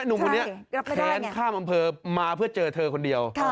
หนุ่มคนนี้แค้นข้ามอำเภอมาเพื่อเจอเธอคนเดียว